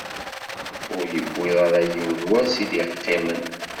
Ur yewwiḍ ara yiwen wass i d-iqqimen.